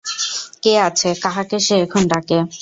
কে আছে, কাহাকে সে এখন ডাকে?